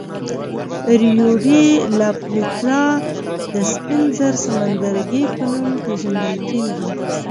ریو ډي لا پلاتا د سپین زر سمندرګي په نوم پېژندل کېږي.